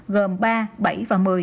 gồm ba bảy và một mươi